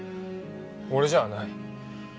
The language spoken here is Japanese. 俺じゃない。